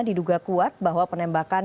diduga kuat bahwa penembakan